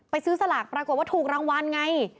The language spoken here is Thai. ซื้อสลากปรากฏว่าถูกรางวัลไง